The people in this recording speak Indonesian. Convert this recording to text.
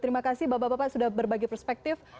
terima kasih bapak bapak sudah berbagi perspektif